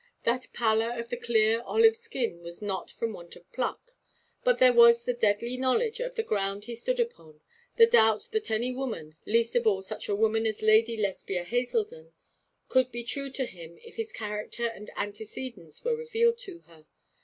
That pallor of the clear olive skin was not from want of pluck; but there was the deadly knowledge of the ground he stood upon, the doubt that any woman, least of all such a woman as Lady Lesbia Haselden, could be true to him if his character and antecedents were revealed to her.